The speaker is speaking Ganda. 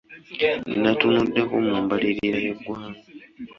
Nnatunuddeko mu mbalirira y’eggwanga.